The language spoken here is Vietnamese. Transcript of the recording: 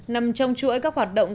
nằm trong chuỗi các hoạt động